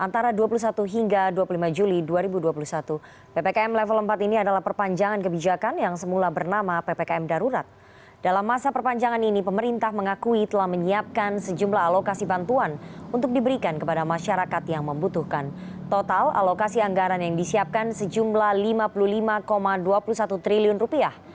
lima dua puluh satu triliun rupiah